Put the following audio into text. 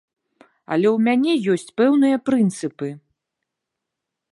Але ў мяне ёсць пэўныя прынцыпы.